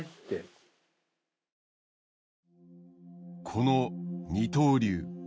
この二刀流。